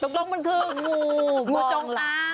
ถูกต้องมันคืองูบองล่า